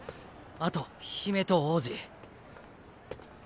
あと姫と王子。